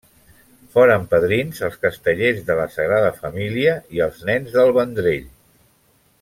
Foren padrins els Castellers de la Sagrada Família i els Nens del Vendrell.